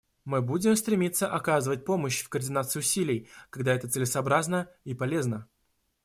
Мы будем стремиться оказывать помощь в координации усилий, когда это целесообразно и полезно.